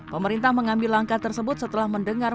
pemerintah mengambil langkah tersebut setelah mendengar